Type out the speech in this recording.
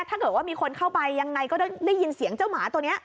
ถ้าเกิดว่ามีคนเข้าไปยังไงก็ได้ยินเสียงเจ้าหมาตัวนี้